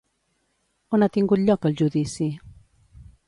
On ha tingut lloc el judici?